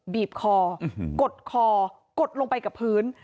บีบคอกดคอกดลงไปกับพื้น